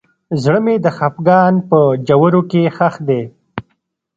زړه مې د خفګان په ژورو کې ښخ دی.